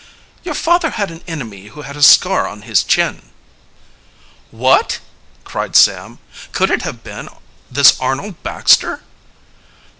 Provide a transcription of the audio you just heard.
"Your father had an enemy who had a scar on his chin." "What!" cried Sam. "Could it have been this Arnold Baxter?"